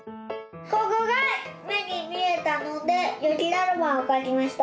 ここがめにみえたのでゆきだるまをかきました。